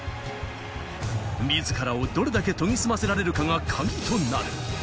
自らをどれだけ研ぎ澄ませられるかがカギとなる。